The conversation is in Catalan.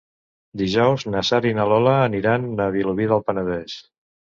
Dijous na Sara i na Lola aniran a Vilobí del Penedès.